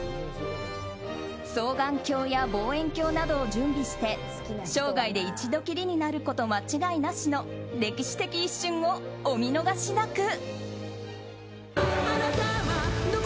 双眼鏡や望遠鏡などを準備して生涯で一度きりになること間違いなしの歴史的一瞬をお見逃しなく！